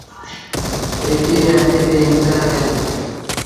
ايسيٚ ري اَڏي تي انتزآر ڪيٚم۔